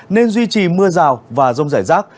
nên duy trì mưa rào và rông giải rác